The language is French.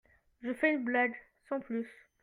Je fais une blague, sans plus.